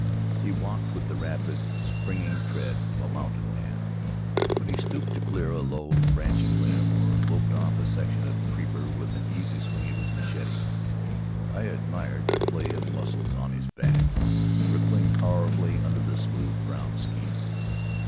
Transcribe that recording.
He walked with the rapid, springy tread of a mountain man; when he stooped to clear a low branching limb or lopped off a section of creeper with an easy swing of his machete I admired the play of muscles on his back, rippling powerfully under the smooth, brown skin.